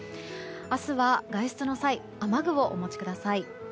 明日は外出の際雨具をお持ちください。